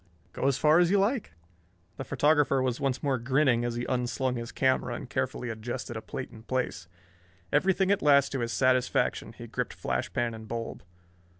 "Go as far as you like." The photographer was once more grinning as he unslung his camera and carefully adjusted a plate in place. Everything at last to his satisfaction he gripped flash pan and bulb.